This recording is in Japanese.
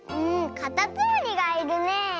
かたつむりがいるねえ！